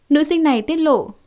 nữ sinh này tiết lộ